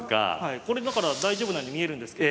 これだから大丈夫なように見えるんですけど。